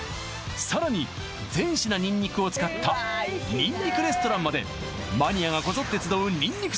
さらに全品ニンニクを使ったニンニクレストランまでマニアがこぞって集うニンニク